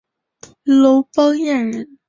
楼邦彦人。